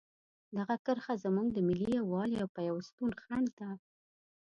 دغه کرښه زموږ د ملي یووالي او پیوستون خنډ ده.